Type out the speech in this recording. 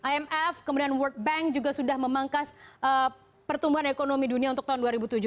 imf kemudian world bank juga sudah memangkas pertumbuhan ekonomi dunia untuk tahun dua ribu tujuh belas